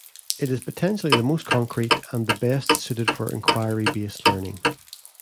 It is potentially the most concrete and the best suited for inquiry-based learning.